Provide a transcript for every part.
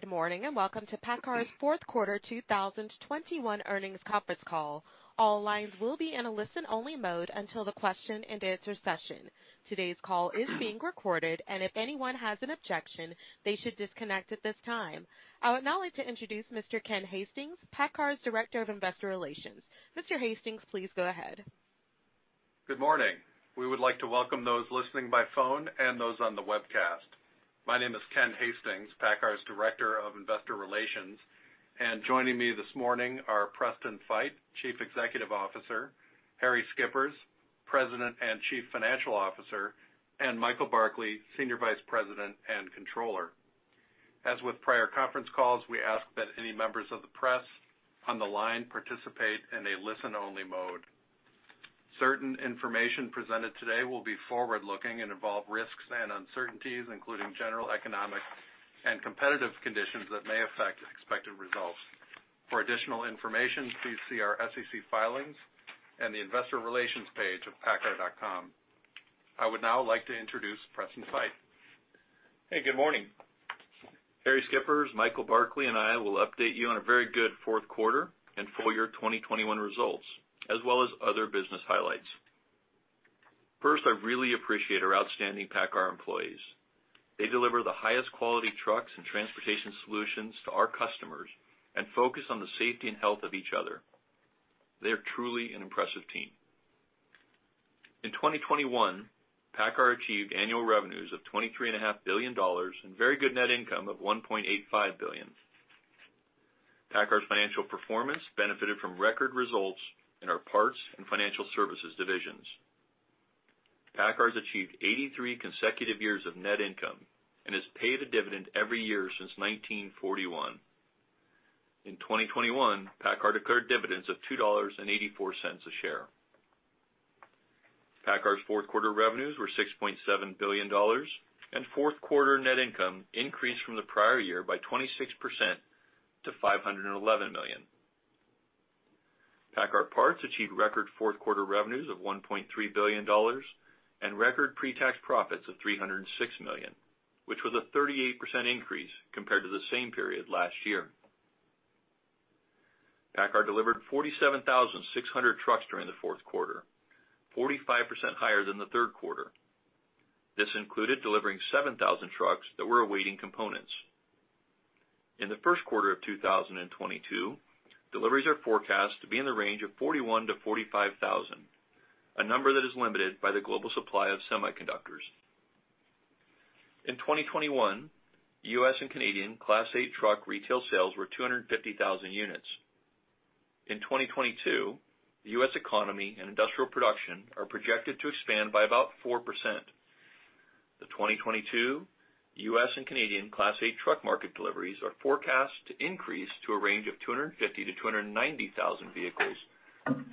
Good morning, and welcome to PACCAR's fourth quarter 2021 earnings conference call. All lines will be in a listen-only mode until the question and answer session. Today's call is being recorded, and if anyone has an objection, they should disconnect at this time. I would now like to introduce Mr. Ken Hastings, PACCAR's Director of Investor Relations. Mr. Hastings, please go ahead. Good morning. We would like to welcome those listening by phone and those on the webcast. My name is Ken Hastings, PACCAR's Director of Investor Relations. Joining me this morning are Preston Feight, Chief Executive Officer, Harrie Schippers, President and Chief Financial Officer, and Michael Barkley, Senior Vice President and Controller. As with prior conference calls, we ask that any members of the press on the line participate in a listen-only mode. Certain information presented today will be forward-looking and involve risks and uncertainties, including general economic and competitive conditions that may affect expected results. For additional information, please see our SEC filings and the investor relations page of paccar.com. I would now like to introduce Preston Feight. Hey, good morning. Harrie Schippers, Michael Barkley, and I will update you on a very good fourth quarter and full year 2021 results, as well as other business highlights. First, I really appreciate our outstanding PACCAR employees. They deliver the highest quality trucks and transportation solutions to our customers and focus on the safety and health of each other. They're truly an impressive team. In 2021, PACCAR achieved annual revenues of $23.5 billion and very good net income of $1.85 billion. PACCAR's financial performance benefited from record results in our parts and financial services divisions. PACCAR has achieved 83 consecutive years of net income and has paid a dividend every year since 1941. In 2021, PACCAR declared dividends of $2.84 a share. PACCAR's fourth quarter revenues were $6.7 billion, and fourth quarter net income increased from the prior year by 26% to $511 million. PACCAR Parts achieved record fourth quarter revenues of $1.3 billion and record pre-tax profits of $306 million, which was a 38% increase compared to the same period last year. PACCAR delivered 47,600 trucks during the fourth quarter, 45% higher than the third quarter. This included delivering 7,000 trucks that were awaiting components. In the first quarter of 2022, deliveries are forecast to be in the range of 41,000-45,000, a number that is limited by the global supply of semiconductors. In 2021, U.S. and Canadian Class 8 truck retail sales were 250,000 units. In 2022, the U.S. economy and industrial production are projected to expand by about 4%. The 2022 U.S. and Canadian Class 8 truck market deliveries are forecast to increase to a range of 250,000-290,000 vehicles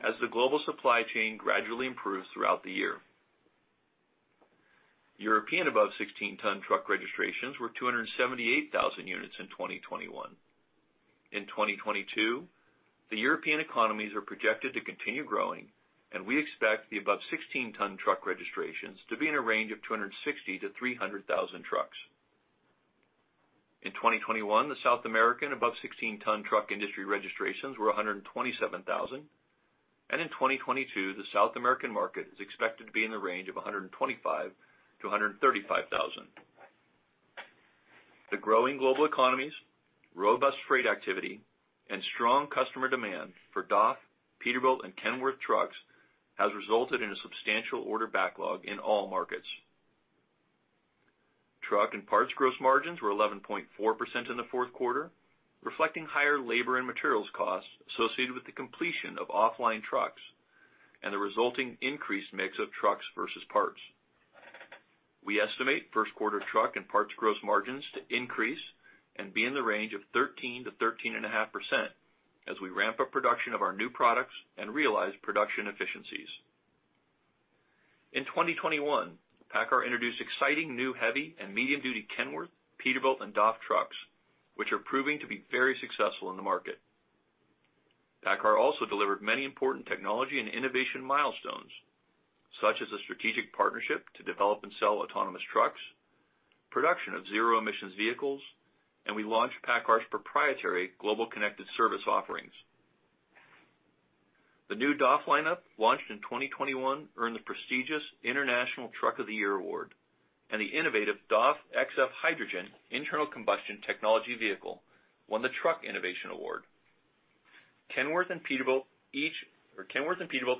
as the global supply chain gradually improves throughout the year. European above 16 ton truck registrations were 278,000 units in 2021. In 2022, the European economies are projected to continue growing, and we expect the above 16 ton truck registrations to be in a range of 260,000-300,000 trucks. In 2021, the South American above 16 ton truck industry registrations were 127,000. In 2022, the South American market is expected to be in the range of 125,000-135,000. The growing global economies, robust freight activity, and strong customer demand for DAF, Peterbilt, and Kenworth trucks has resulted in a substantial order backlog in all markets. Truck and parts gross margins were 11.4% in the fourth quarter, reflecting higher labor and materials costs associated with the completion of offline trucks and the resulting increased mix of trucks versus parts. We estimate first quarter truck and parts gross margins to increase and be in the range of 13%-13.5% as we ramp up production of our new products and realize production efficiencies. In 2021, PACCAR introduced exciting new heavy and medium-duty Kenworth, Peterbilt, and DAF trucks, which are proving to be very successful in the market. PACCAR also delivered many important technology and innovation milestones, such as a strategic partnership to develop and sell autonomous trucks, production of zero emissions vehicles, and we launched PACCAR's proprietary global connected service offerings. The new DAF lineup, launched in 2021, earned the prestigious International Truck of the Year award, and the innovative DAF XF Hydrogen internal combustion technology vehicle won the Truck Innovation Award. Kenworth and Peterbilt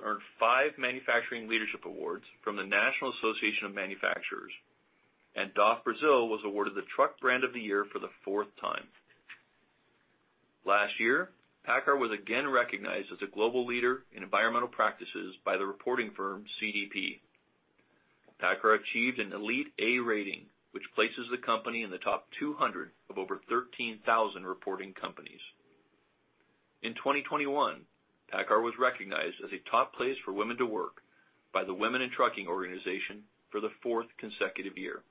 earned five Manufacturing Leadership awards from the National Association of Manufacturers, and DAF Brasil was awarded the Truck Brand of the Year for the fourth time. Last year, PACCAR was again recognized as a global leader in environmental practices by the reporting firm CDP. PACCAR achieved an elite A rating, which places the company in the top 200 of over 13,000 reporting companies. In 2021, PACCAR was recognized as a top place for women to work by the Women In Trucking organization for the fourth consecutive year.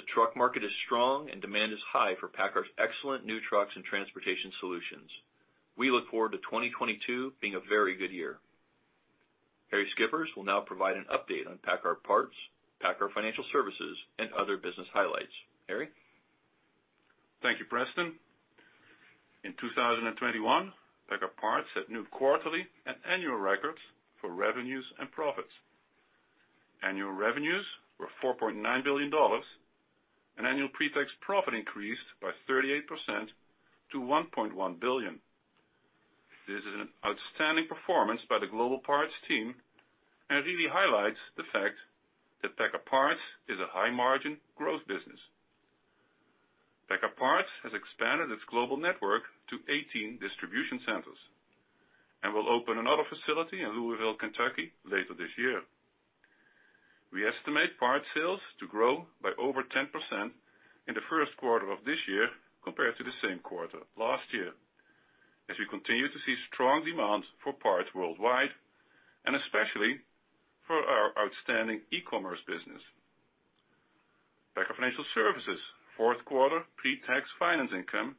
The truck market is strong and demand is high for PACCAR's excellent new trucks and transportation solutions. We look forward to 2022 being a very good year. Harrie Schippers will now provide an update on PACCAR Parts, PACCAR Financial Services, and other business highlights. Harrie? Thank you, Preston. In 2021, PACCAR Parts set new quarterly and annual records for revenues and profits. Annual revenues were $4.9 billion, and annual pre-tax profit increased by 38% to $1.1 billion. This is an outstanding performance by the global parts team and really highlights the fact that PACCAR Parts is a high-margin growth business. PACCAR Parts has expanded its global network to 18 distribution centers and will open another facility in Louisville, Kentucky, later this year. We estimate parts sales to grow by over 10% in the first quarter of this year compared to the same quarter last year, as we continue to see strong demand for parts worldwide and especially for our outstanding e-commerce business. PACCAR Financial Services' fourth quarter pre-tax finance income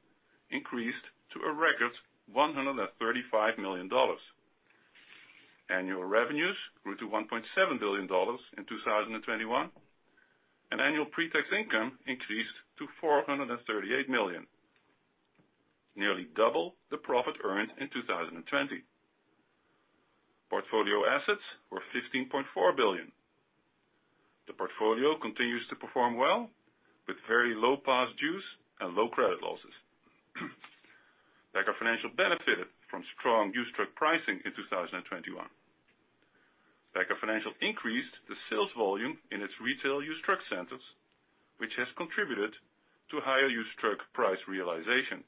increased to a record $135 million. Annual revenues grew to $1.7 billion in 2021, and annual pre-tax income increased to $438 million, nearly double the profit earned in 2020. Portfolio assets were $15.4 billion. The portfolio continues to perform well with very low past dues and low credit losses. PACCAR Financial benefited from strong used truck pricing in 2021. PACCAR Financial increased the sales volume in its retail used truck centers, which has contributed to higher used truck price realization.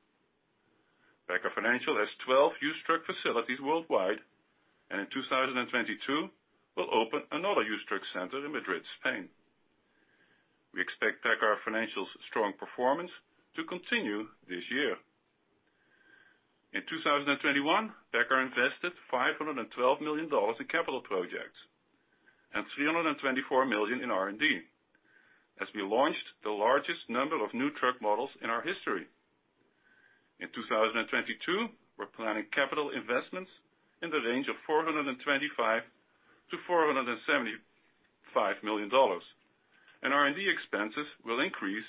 PACCAR Financial has 12 used truck facilities worldwide, and in 2022 will open another used truck center in Madrid, Spain. We expect PACCAR Financial's strong performance to continue this year. In 2021, PACCAR invested $512 million in capital projects and $324 million in R&D, as we launched the largest number of new truck models in our history. In 2022, we're planning capital investments in the range of $425 million-$475 million, and R&D expenses will increase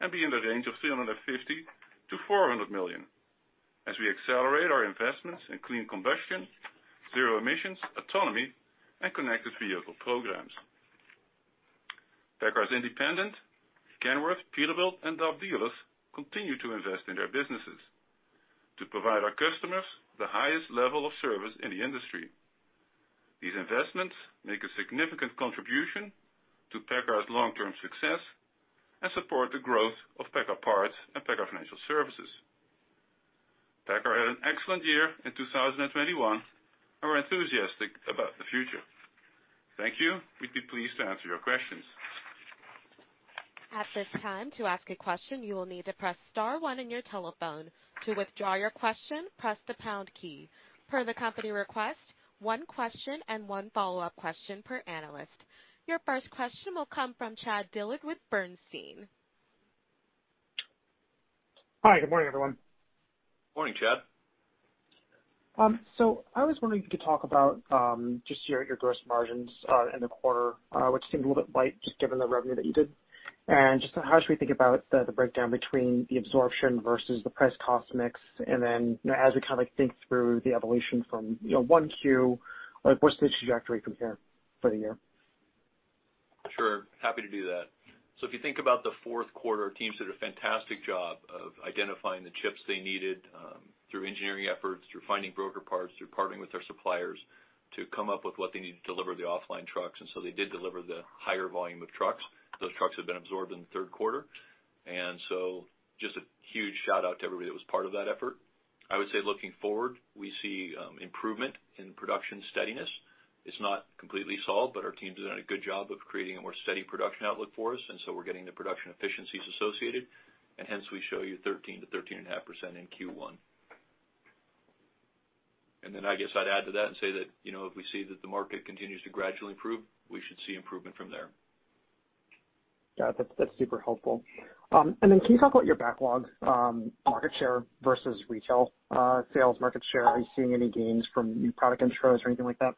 and be in the range of $350 million-$400 million as we accelerate our investments in clean combustion, zero emissions, autonomy, and connected vehicle programs. PACCAR's independent Kenworth, Peterbilt, and DAF dealers continue to invest in their businesses to provide our customers the highest level of service in the industry. These investments make a significant contribution to PACCAR's long-term success and support the growth of PACCAR Parts and PACCAR Financial Services. PACCAR had an excellent year in 2021 and we're enthusiastic about the future. Thank you. We'd be pleased to answer your questions. At this time, to ask a question, you will need to press star one on your telephone. To withdraw your question, press the pound key. Per the company request, one question and one follow-up question per analyst. Your first question will come from Chad Dillard with Bernstein. Hi, good morning, everyone. Morning, Chad. I was wondering if you could talk about just your gross margins in the quarter, which seemed a little bit light just given the revenue that you did. Just how should we think about the breakdown between the absorption versus the price cost mix, and then, you know, as we kinda think through the evolution from, you know, one Q, like what's the trajectory from here for the year? Sure. Happy to do that. If you think about the fourth quarter, our teams did a fantastic job of identifying the chips they needed through engineering efforts, through finding broker parts, through partnering with their suppliers to come up with what they need to deliver the offline trucks. They did deliver the higher volume of trucks. Those trucks have been absorbed in the third quarter. Just a huge shout out to everybody that was part of that effort. I would say looking forward, we see improvement in production steadiness. It's not completely solved, but our team's doing a good job of creating a more steady production outlook for us, and so we're getting the production efficiencies associated, and hence we show you 13%-13.5% in Q1. I guess I'd add to that and say that, you know, if we see that the market continues to gradually improve, we should see improvement from there. Yeah, that's super helpful. Can you talk about your backlog, market share versus retail, sales market share? Are you seeing any gains from new product intros or anything like that?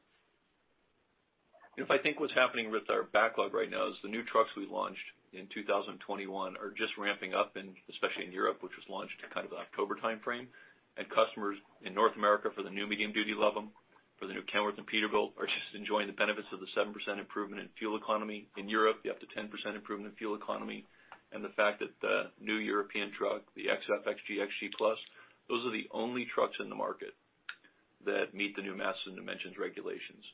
I think what's happening with our backlog right now is the new trucks we launched in 2021 are just ramping up in, especially in Europe, which was launched kind of October timeframe. Customers in North America for the new medium duty love 'em. For the new Kenworth and Peterbilt are just enjoying the benefits of the 7% improvement in fuel economy. In Europe, you have the 10% improvement in fuel economy. The fact that the new European truck, the XF, XG+, those are the only trucks in the market that meet the new mass and dimensions regulations.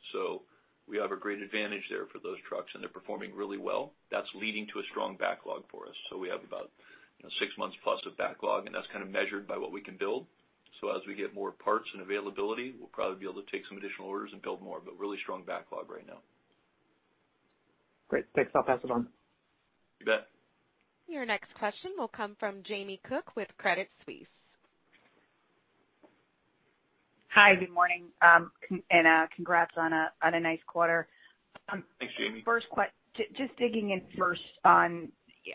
We have a great advantage there for those trucks, and they're performing really well. That's leading to a strong backlog for us. We have about, you know, six months plus of backlog, and that's kinda measured by what we can build. As we get more parts and availability, we'll probably be able to take some additional orders and build more, but really strong backlog right now. Great. Thanks. I'll pass it on. You bet. Your next question will come from Jamie Cook with Credit Suisse. Hi, good morning. Congrats on a nice quarter. Just digging in first on,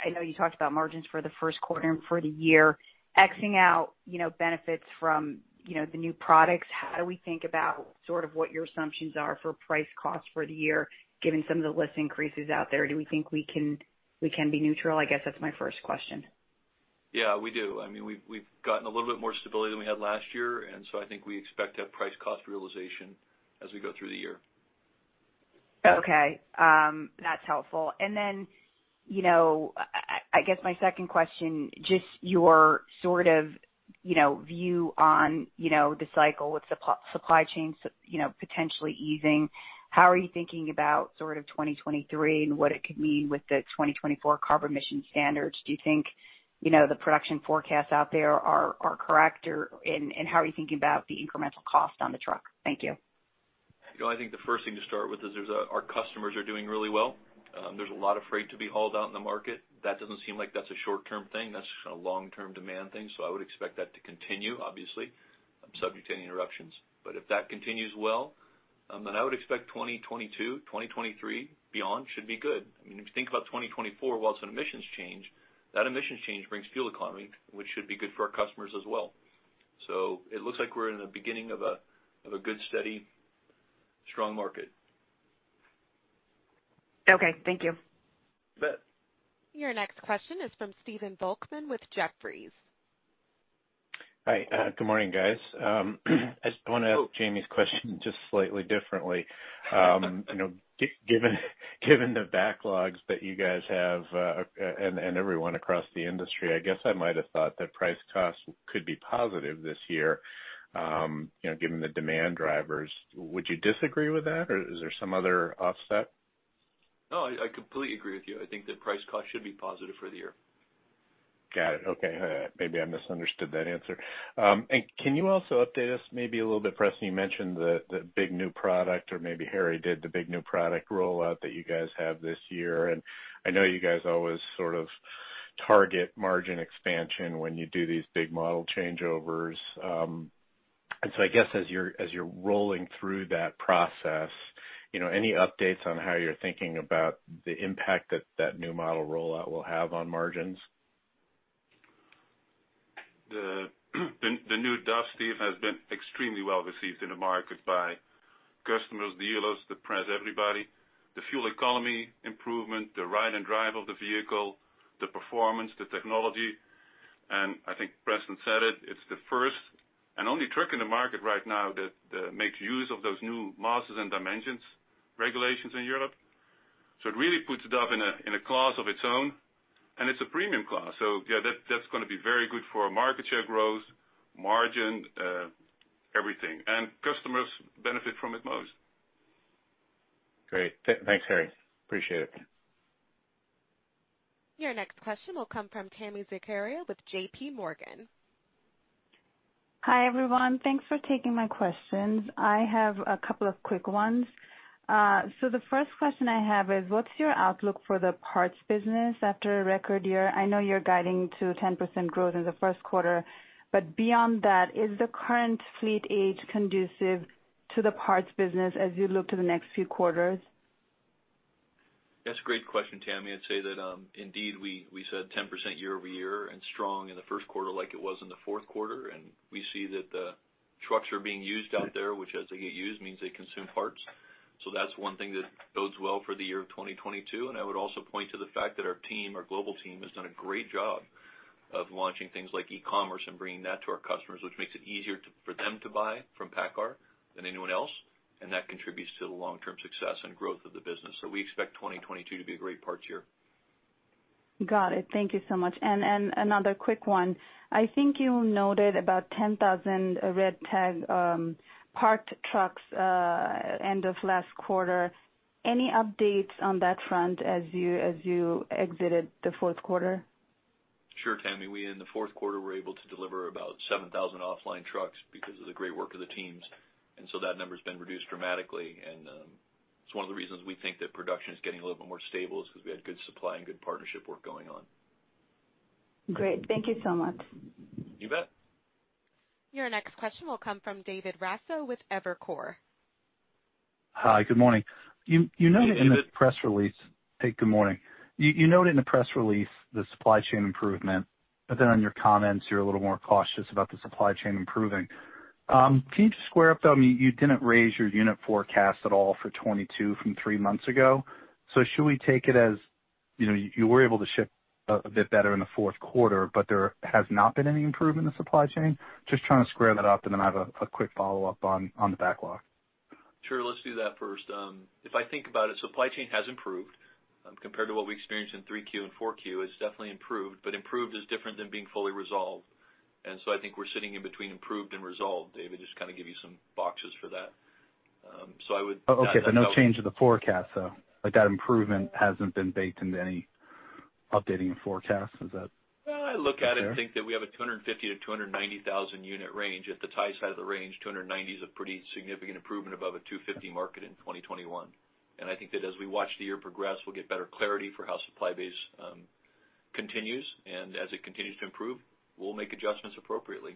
I know you talked about margins for the first quarter and for the year. X-ing out, you know, benefits from, you know, the new products, how do we think about sort of what your assumptions are for price cost for the year, given some of the list increases out there? Do we think we can be neutral? I guess that's my first question. Yeah, we do. I mean, we've gotten a little bit more stability than we had last year, and so I think we expect to have price cost realization as we go through the year. Okay. That's helpful. Then, you know, I guess my second question, just your sort of, view on the cycle with supply chains, you know, potentially easing, how are you thinking about sort of 2023 and what it could mean with the 2024 carbon emission standards? Do you think, you know, the production forecasts out there are correct? Or how are you thinking about the incremental cost on the truck? Thank you. You know, I think the first thing to start with is our customers are doing really well. There's a lot of freight to be hauled out in the market. That doesn't seem like that's a short-term thing. That's a long-term demand thing. I would expect that to continue, obviously, subject to any interruptions. If that continues well, then I would expect 2022, 2023 beyond should be good. I mean, if you think about 2024, while an emissions change, that emissions change brings fuel economy, which should be good for our customers as well. It looks like we're in the beginning of a good, steady, strong market. Okay, thank you. You bet. Your next question is from Stephen Volkmann with Jefferies. Hi. Good morning, guys. I just wanna ask Jamie's question just slightly differently. You know, given the backlogs that you guys have, and everyone across the industry, I guess I might have thought that price cost could be positive this year, you know, given the demand drivers. Would you disagree with that, or is there some other offset? No, I completely agree with you. I think that price cost should be positive for the year. Got it. Okay. Maybe I misunderstood that answer. Can you also update us maybe a little bit, Preston, you mentioned the big new product or maybe Harrie did, the big new product rollout that you guys have this year. I know you guys always sort of target margin expansion when you do these big model changeovers. I guess as you're rolling through that process, you know, any updates on how you're thinking about the impact that that new model rollout will have on margins? The new DAF, Steve, has been extremely well received in the market by customers, dealers, the press, everybody. The fuel economy improvement, the ride and drive of the vehicle, the performance, the technology, and I think Preston said it's the first and only truck in the market right now that makes use of those new masses and dimensions regulations in Europe. It really puts DAF in a class of its own, and it's a premium class. Yeah, that's gonna be very good for our market share growth, margin, everything. Customers benefit from it most. Great. Thanks, Harrie. Appreciate it. Your next question will come from Tami Zakaria with JPMorgan. Hi, everyone. Thanks for taking my questions. I have a couple of quick ones. The first question I have is what's your outlook for the parts business after a record year? I know you're guiding to 10% growth in the first quarter, but beyond that, is the current fleet age conducive to the parts business as you look to the next few quarters? That's a great question, Tami. I'd say that, indeed we said 10% year-over-year and strong in the first quarter like it was in the fourth quarter. We see that the trucks are being used out there, which as they get used means they consume parts. That's one thing that bodes well for the year of 2022. I would also point to the fact that our team, our global team, has done a great job of launching things like e-commerce and bringing that to our customers, which makes it easier to, for them to buy from PACCAR than anyone else, and that contributes to the long-term success and growth of the business. We expect 2022 to be a great parts year. Got it. Thank you so much. Another quick one. I think you noted about 10,000 red tag parked trucks end of last quarter. Any updates on that front as you exited the fourth quarter? Sure, Tami. We in the fourth quarter were able to deliver about 7,000 offline trucks because of the great work of the teams. That number's been reduced dramatically. It's one of the reasons we think that production is getting a little bit more stable is because we had good supply and good partnership work going on. Great. Thank you so much. You bet. Your next question will come from David Raso with Evercore. Hi, good morning. Good evening. Hey, good morning. You noted in the press release the supply chain improvement, but then on your comments you're a little more cautious about the supply chain improving. Can you just square up though? I mean, you didn't raise your unit forecast at all for 2022 from three months ago. Should we take it as, you know, you were able to ship a bit better in the fourth quarter, but there has not been any improvement in the supply chain? Just trying to square that up and then I have a quick follow-up on the backlog. Sure, let's do that first. If I think about it, supply chain has improved, compared to what we experienced in 3Q and 4Q, it's definitely improved. Improved is different than being fully resolved. I think we're sitting in between improved and resolved, David, just to kind of give you some boxes for that. Oh, okay. No change to the forecast, though? Like that improvement hasn't been baked into any updating of forecast? Is that- Well, I look at it and think that we have a 250,000-290,000 unit range. At the tight side of the range, 290,000 is a pretty significant improvement above a 250,000 market in 2021. I think that as we watch the year progress, we'll get better clarity for how supply base continues. As it continues to improve, we'll make adjustments appropriately.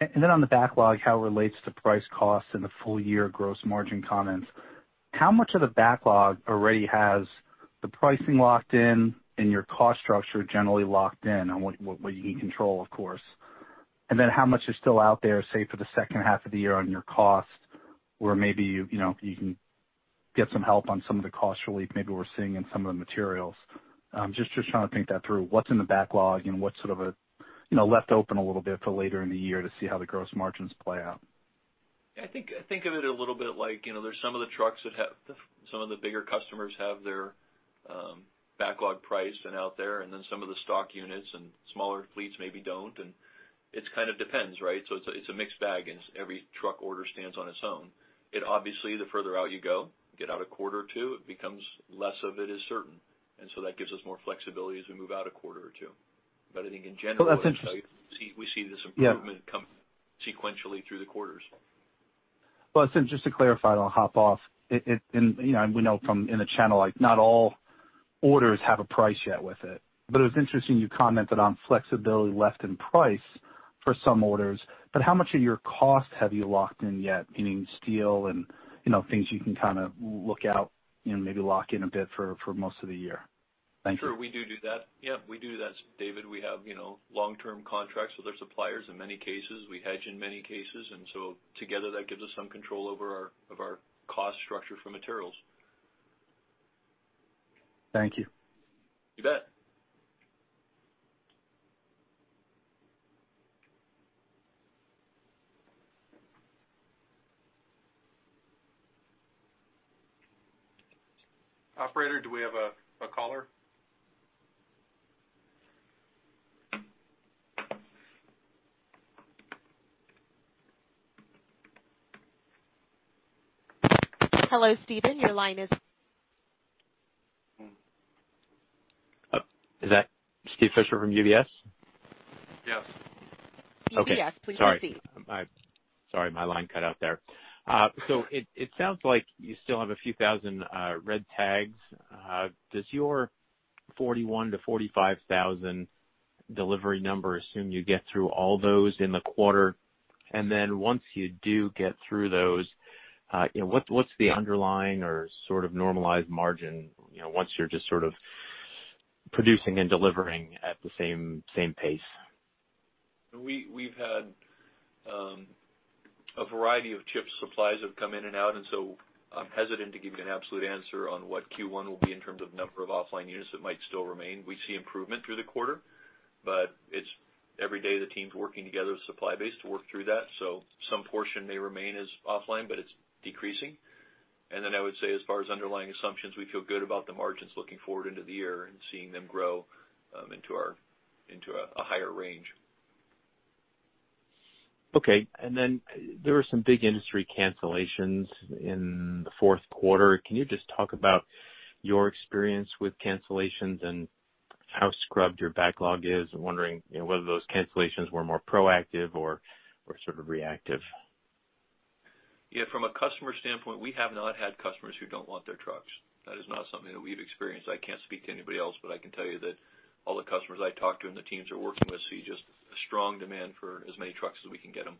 On the backlog, how it relates to price cost in the full-year gross margin comments, how much of the backlog already has the pricing locked in and your cost structure generally locked in on what you can control, of course? How much is still out there, say, for the second half of the year on your cost, where maybe you know you can get some help on some of the cost relief maybe we're seeing in some of the materials? Just trying to think that through. What's in the backlog and what's sort of a left open a little bit for later in the year to see how the gross margins play out? I think of it a little bit like, you know, some of the bigger customers have their backlog priced and out there, and then some of the stock units and smaller fleets maybe don't. It kind of depends, right? It's a mixed bag, and every truck order stands on its own. It obviously, the further out you go, get out a quarter or two, it becomes less certain. That gives us more flexibility as we move out a quarter or two. I think in general Well, that's inter- We see this improvement. Yeah come sequentially through the quarters. Well, just to clarify, and I'll hop off. You know, we know from the channel, like not all orders have a price yet with it. It was interesting you commented on flexibility left in price for some orders. How much of your cost have you locked in yet, meaning steel and, you know, things you can kind of look out and maybe lock in a bit for most of the year? Thank you. Sure, we do that. Yeah, we do that, David. We have, you know, long-term contracts with our suppliers in many cases. We hedge in many cases. Together, that gives us some control over our cost structure for materials. Thank you. You bet. Operator, do we have a caller? Hello, Steven, your line is. Is that Steven Fisher from UBS? Yes. UBS, please proceed. Okay. Sorry, my line cut out there. So it sounds like you still have a few thousand red tags. Does your 41,000-45,000 delivery numbers assume you get through all those in the quarter? Then once you do get through those, what's the underlying or sort of normalized margin once you're just sort of producing and delivering at the same pace? We've had a variety of chip supplies have come in and out, and I'm hesitant to give you an absolute answer on what Q1 will be in terms of number of offline units that might still remain. We see improvement through the quarter, but it's every day the team's working together with supply base to work through that. Some portion may remain as offline, but it's decreasing. I would say as far as underlying assumptions, we feel good about the margins looking forward into the year and seeing them grow into a higher range. Okay. There were some big industry cancellations in the fourth quarter. Can you just talk about your experience with cancellations and how scrubbed your backlog is? I'm wondering, you know, whether those cancellations were more proactive or sort of reactive. Yeah, from a customer standpoint, we have not had customers who don't want their trucks. That is not something that we've experienced. I can't speak to anybody else, but I can tell you that all the customers I talk to and the teams are working with see just a strong demand for as many trucks as we can get them.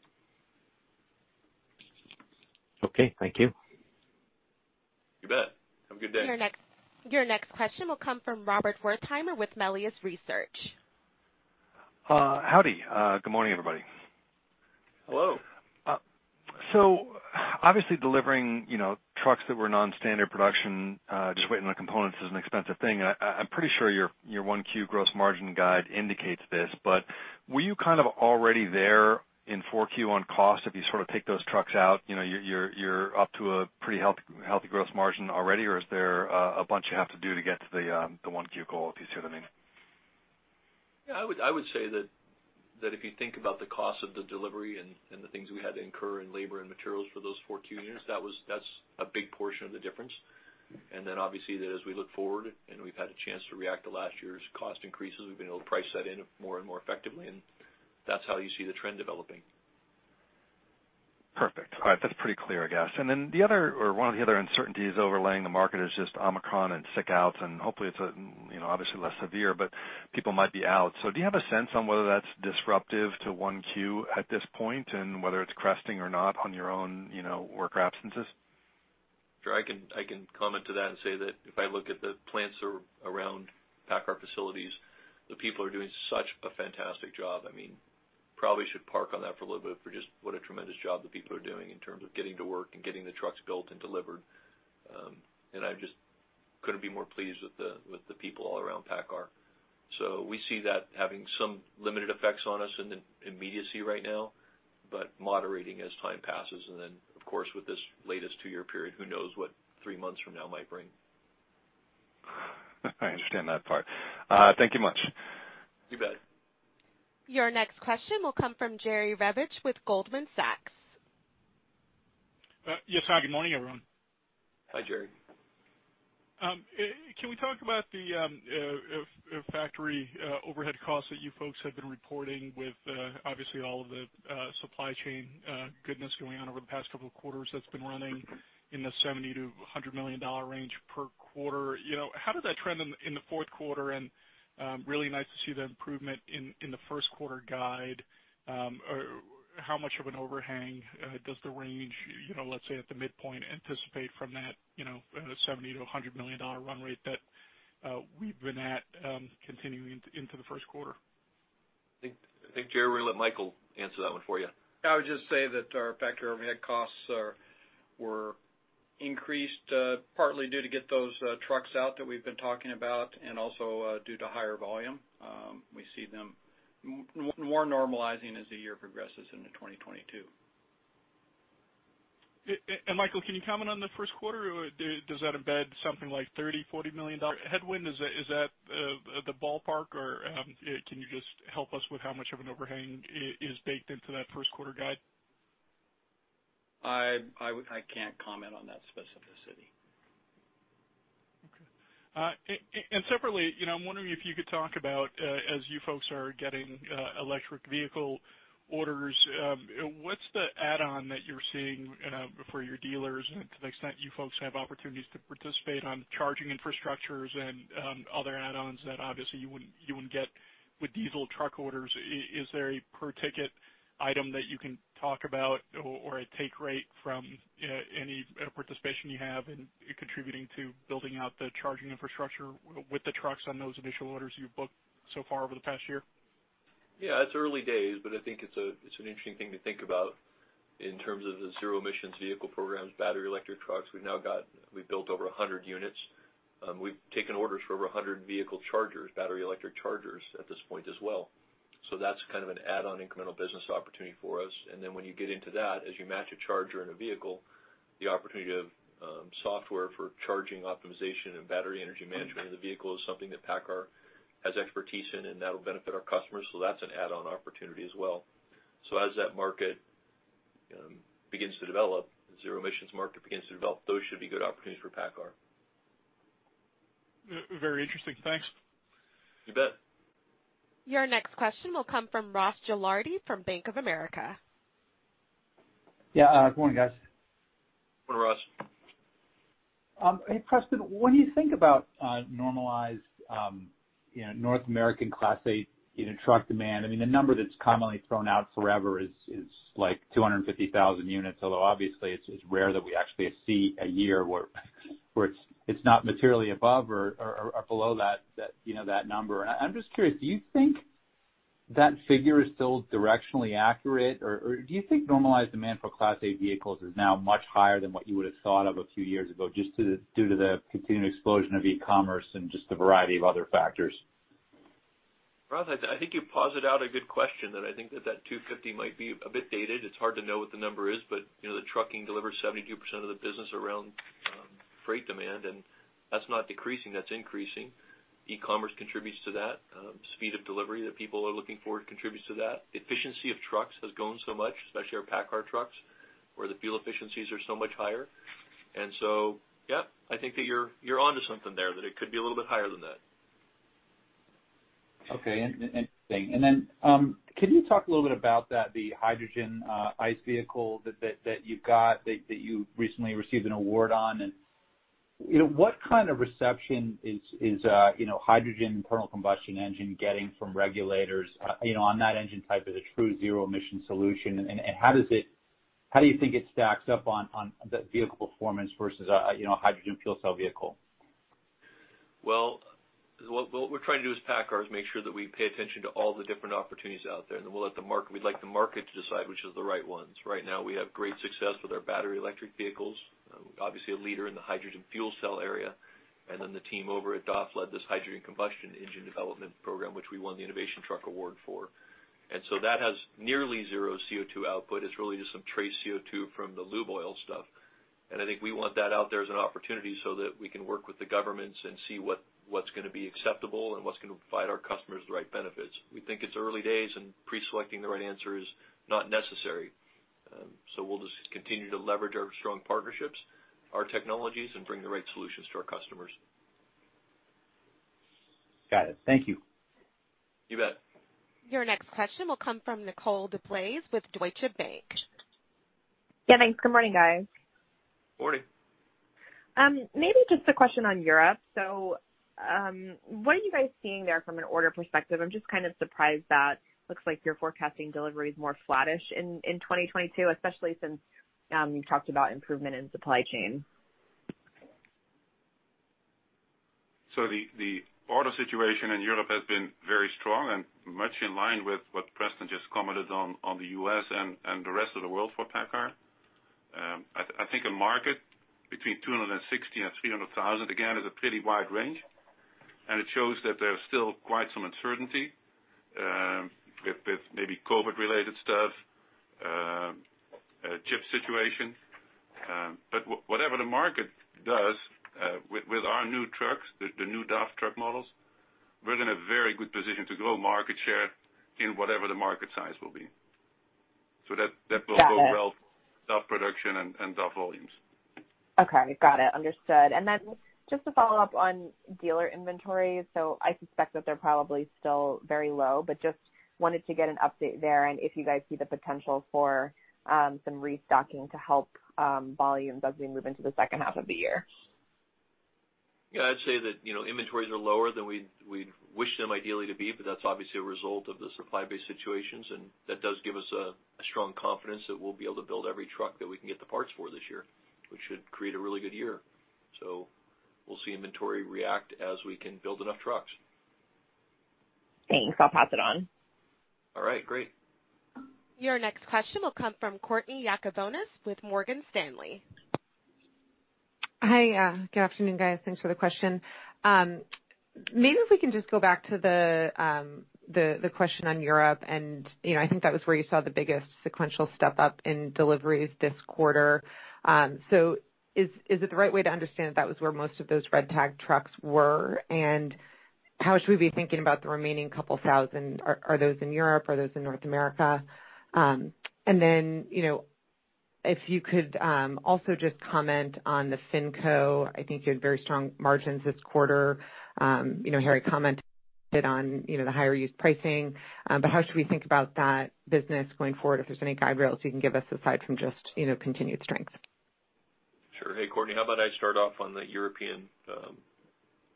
Okay, thank you. You bet. Have a good day. Your next question will come from Robert Wertheimer with Melius Research. Howdy. Good morning, everybody. Hello. Obviously delivering, you know, trucks that were non-standard production just waiting on components is an expensive thing. I'm pretty sure your 1Q gross margin guide indicates this, but were you kind of already there in 4Q on cost if you sort of take those trucks out? You know, you're up to a pretty healthy gross margin already, or is there a bunch you have to do to get to the 1Q goal, if you see what I mean? Yeah, I would say that if you think about the cost of the delivery and the things we had to incur in labor and materials for those 4Q units, that's a big portion of the difference. Then obviously as we look forward, and we've had a chance to react to last year's cost increases, we've been able to price that in more and more effectively, and that's how you see the trend developing. Perfect. All right. That's pretty clear, I guess. The other, or one of the other uncertainties overlaying the market is just Omicron and sick outs, and hopefully it's a, you know, obviously less severe, but people might be out. Do you have a sense on whether that's disruptive to 1Q at this point, and whether it's cresting or not on your own, you know, work absences? Sure, I can comment to that and say that if I look at the plants around PACCAR facilities, the people are doing such a fantastic job. I mean, probably should park on that for a little bit for just what a tremendous job the people are doing in terms of getting to work and getting the trucks built and delivered. I just couldn't be more pleased with the people all around PACCAR. We see that having some limited effects on us in the immediacy right now, but moderating as time passes. Of course, with this latest two-year period, who knows what three months from now might bring. I understand that part. Thank you much. You bet. Your next question will come from Jerry Revich with Goldman Sachs. Yes. Hi, good morning, everyone. Hi, Jerry. Can we talk about the factory overhead costs that you folks have been reporting with, obviously all of the supply chain goodness going on over the past couple of quarters that's been running in the $70 million-$100 million range per quarter? You know, how did that trend in the fourth quarter? How much of an overhang does the range, you know, let's say at the midpoint, anticipate from that, you know, $70 million-$100 million run rate that we've been at continuing into the first quarter? I think, Jerry, we're gonna let Michael answer that one for you. I would just say that our factory overhead costs were increased partly due to getting those trucks out that we've been talking about and also due to higher volume. We see them more normalizing as the year progresses into 2022. Michael, can you comment on the first quarter? Or does that embed something like $30 million-$40 million headwind? Is that the ballpark? Or can you just help us with how much of an overhang is baked into that first quarter guide? I can't comment on that specificity. Okay. Separately, you know, I'm wondering if you could talk about as you folks are getting electric vehicle orders, what's the add-on that you're seeing for your dealers to the extent you folks have opportunities to participate on charging infrastructures and other add-ons that obviously you wouldn't get with diesel truck orders? Is there a per ticket item that you can talk about or a take rate from any participation you have in contributing to building out the charging infrastructure with the trucks on those initial orders you've booked so far over the past year? Yeah, it's early days, but I think it's an interesting thing to think about in terms of the zero emissions vehicle programs, battery electric trucks. We've built over 100 units. We've taken orders for over 100 vehicle chargers, battery electric chargers at this point as well. That's kind of an add-on incremental business opportunity for us. When you get into that, as you match a charger and a vehicle, the opportunity of software for charging optimization and battery energy management of the vehicle is something that PACCAR has expertise in, and that'll benefit our customers. That's an add-on opportunity as well. As that market begins to develop, the zero emissions market begins to develop, those should be good opportunities for PACCAR. Very interesting. Thanks. You bet. Your next question will come from Ross Gilardi from Bank of America. Yeah, good morning, guys. Good morning, Ross. Hey, Preston, when you think about normalized, you know, North American Class 8, you know, truck demand, I mean, the number that's commonly thrown out forever is like 250,000 units, although obviously it's rare that we actually see a year where it's not materially above or below that number. I'm just curious, do you think that figure is still directionally accurate? Or do you think normalized demand for Class 8 vehicles is now much higher than what you would have thought of a few years ago, just due to the continued explosion of e-commerce and just the variety of other factors? Ross, I think you posed a good question that I think that 250,000 might be a bit dated. It's hard to know what the number is, but you know, the trucking delivers 72% of the business around freight demand, and that's not decreasing, that's increasing. E-commerce contributes to that. Speed of delivery that people are looking for contributes to that. Efficiency of trucks has grown so much, especially our PACCAR trucks, where the fuel efficiencies are so much higher. Yeah, I think that you're onto something there, that it could be a little bit higher than that. Okay. Interesting. Can you talk a little bit about that, the hydrogen ICE vehicle that you've got, that you recently received an award on? What kind of reception is hydrogen internal combustion engine getting from regulators, you know, on that engine type as a true zero emission solution? How do you think it stacks up on the vehicle performance versus a, you know, a hydrogen fuel cell vehicle? Well, what we're trying to do as PACCAR is make sure that we pay attention to all the different opportunities out there, and then we'd like the market to decide which is the right ones. Right now, we have great success with our battery electric vehicles, obviously a leader in the hydrogen fuel cell area. The team over at DAF led this hydrogen combustion engine development program, which we won the Truck Innovation Award for. That has nearly zero CO2 output. It's really just some trace CO2 from the lube oil stuff. I think we want that out there as an opportunity so that we can work with the governments and see what's gonna be acceptable and what's gonna provide our customers the right benefits. We think it's early days, and pre-selecting the right answer is not necessary. We'll just continue to leverage our strong partnerships, our technologies, and bring the right solutions to our customers. Got it. Thank you. You bet. Your next question will come from Nicole DeBlase with Deutsche Bank. Yeah, thanks. Good morning, guys. Morning. Maybe just a question on Europe. What are you guys seeing there from an order perspective? I'm just kind of surprised that looks like you're forecasting delivery is more flattish in 2022, especially since you talked about improvement in supply chain. The order situation in Europe has been very strong and much in line with what Preston just commented on the U.S. and the rest of the world for PACCAR. I think a market between 260,000 and 300,000, again, is a pretty wide range, and it shows that there's still quite some uncertainty with maybe COVID-related stuff, chip situation. But whatever the market does, with our new trucks, the new DAF truck models, we're in a very good position to grow market share in whatever the market size will be. That will go well. DAF production and DAF volumes. Okay. Got it. Understood. Just to follow up on dealer inventory. I suspect that they're probably still very low, but just wanted to get an update there and if you guys see the potential for some restocking to help volume as we move into the second half of the year. Yeah, I'd say that, you know, inventories are lower than we'd wish them ideally to be, but that's obviously a result of the supply-based situations, and that does give us a strong confidence that we'll be able to build every truck that we can get the parts for this year, which should create a really good year. We'll see inventory react as we can build enough trucks. Thanks. I'll pass it on. All right. Great. Your next question will come from Courtney Yakavonis with Morgan Stanley. Hi. Good afternoon, guys. Thanks for the question. Maybe if we can just go back to the question on Europe and, you know, I think that was where you saw the biggest sequential step-up in deliveries this quarter. So is it the right way to understand that was where most of those red tag trucks were? And how should we be thinking about the remaining couple thousand? Are those in Europe? Are those in North America? And then, you know, if you could also just comment on the FinCo. I think you had very strong margins this quarter. You know, Harrie commented on, you know, the higher used pricing. But how should we think about that business going forward, if there's any guardrails you can give us aside from just, you know, continued strength? Sure. Hey, Courtney, how about I start off on the European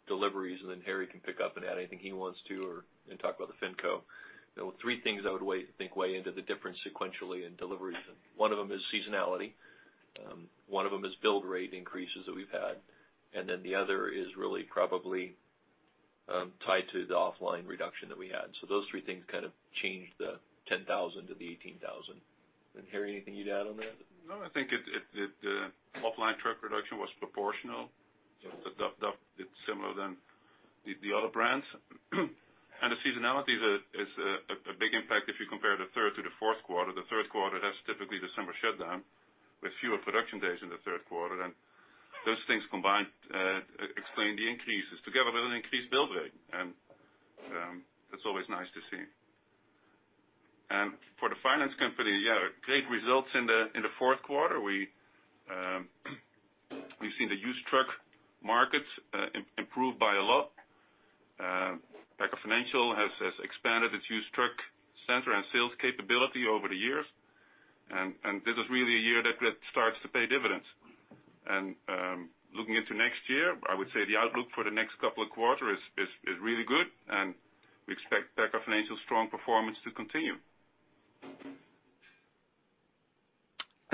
deliveries, and then Harrie can pick up and add anything he wants to and talk about the FinCo. There were three things I would weigh into the difference sequentially in deliveries. One of them is seasonality. One of them is build rate increases that we've had. The other is really probably tied to the offline reduction that we had. Those three things kind of changed the 10,000 to the 18,000. Harrie, anything you'd add on that? No, I think it, the offline truck production was proportional. Yeah. The DAF did similar to the other brands. The seasonality is a big impact if you compare the third to the fourth quarter. The third quarter, that's typically December shutdown with fewer production days in the third quarter. Those things combined explain the increases together with an increased build rate. That's always nice to see. For the finance company, yeah, great results in the fourth quarter. We've seen the used truck market improve by a lot. PACCAR Financial has expanded its used truck center and sales capability over the years. This is really a year that it starts to pay dividends. Looking into next year, I would say the outlook for the next couple of quarters is really good, and we expect PACCAR Financial's strong performance to continue.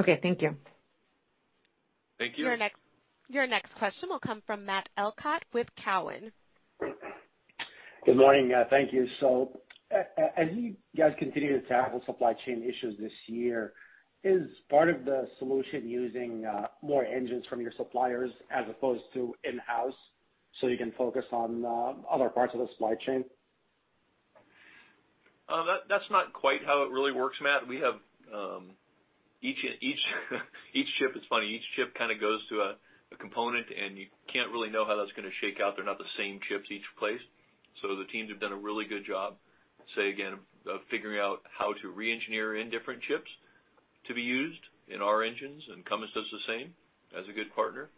Okay, thank you. Thank you. Your next question will come from Matt Elkott with Cowen. Good morning. Thank you. As you guys continue to tackle supply chain issues this year, is part of the solution using more engines from your suppliers as opposed to in-house, so you can focus on other parts of the supply chain? That's not quite how it really works, Matt. Each chip is funny. Each chip kind of goes to a component, and you can't really know how that's gonna shake out. They're not the same chips each place. The teams have done a really good job of figuring out how to reengineer in different chips to be used in our engines, and Cummins does the same as a good partner.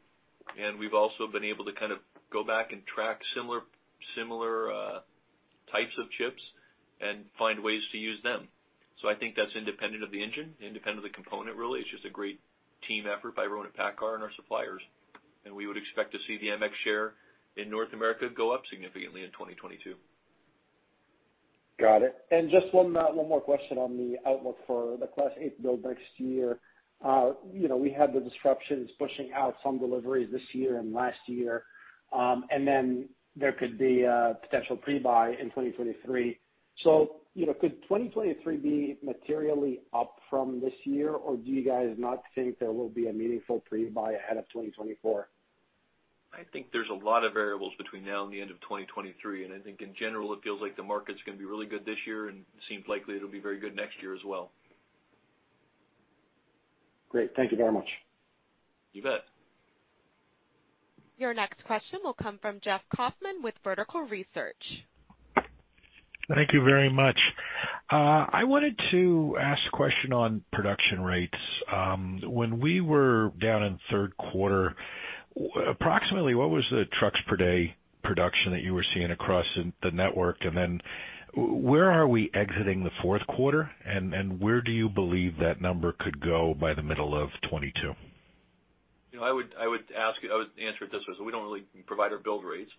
We've also been able to kind of go back and track similar types of chips and find ways to use them. I think that's independent of the engine, independent of the component, really. It's just a great team effort by everyone at PACCAR and our suppliers. We would expect to see the MX share in North America go up significantly in 2022. Got it. Just one more question on the outlook for the Class 8 build next year. You know, we had the disruptions pushing out some deliveries this year and last year. There could be a potential pre-buy in 2023. You know, could 2023 be materially up from this year, or do you guys not think there will be a meaningful pre-buy ahead of 2024? I think there's a lot of variables between now and the end of 2023. I think in general, it feels like the market's gonna be really good this year, and it seems likely it'll be very good next year as well. Great. Thank you very much. You bet. Your next question will come from Jeff Kauffman with Vertical Research. Thank you very much. I wanted to ask a question on production rates. When we were down in the third quarter, approximately what was the trucks per day production that you were seeing across the network? Where are we exiting the fourth quarter? Where do you believe that number could go by the middle of 2022? You know, I would answer it this way, so we don't really provide our build rates.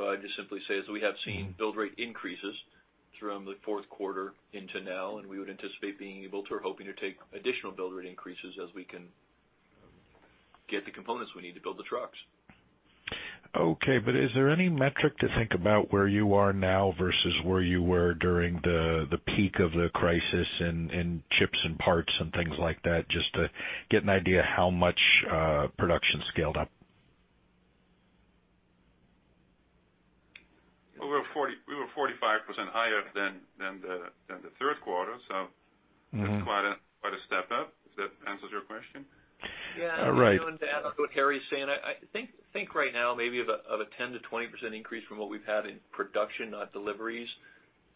I'd just simply say is we have seen build rate increases from the fourth quarter into now, and we would anticipate being able to or hoping to take additional build rate increases as we can get the components we need to build the trucks. Okay, is there any metric to think about where you are now versus where you were during the peak of the crisis in chips and parts and things like that, just to get an idea how much production scaled up? We were 45% higher than the third quarter. Mm-hmm. That's quite a step up, if that answers your question. Yeah. All right. To add on to what Harrie is saying, I think right now maybe a 10%-20% increase from what we've had in production, not deliveries,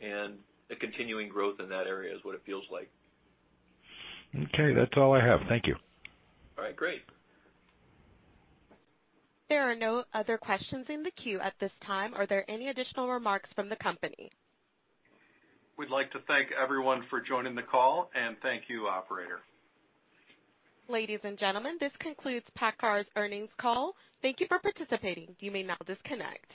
and a continuing growth in that area is what it feels like. Okay, that's all I have. Thank you. All right, great. There are no other questions in the queue at this time. Are there any additional remarks from the company? We'd like to thank everyone for joining the call, and thank you, operator. Ladies and gentlemen, this concludes PACCAR's earnings call. Thank you for participating. You may now disconnect.